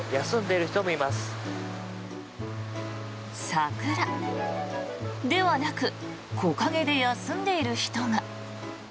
桜ではなく木陰で休んでいる人が。